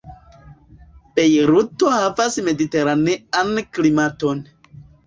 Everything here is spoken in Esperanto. Bejruto havas mediteranean klimaton.